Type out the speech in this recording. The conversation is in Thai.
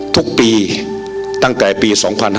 ทุกปีตั้งแต่ปี๒๕๕๙